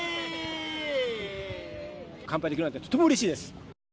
乾杯できるなんて、とてもうれしいです。